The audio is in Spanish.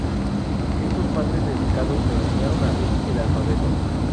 Estos padres dedicados le enseñaron a Rick el alfabeto.